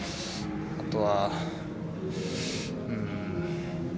あとは。